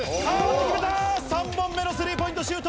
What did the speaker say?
決めた、３本目のスリーポイントシュート。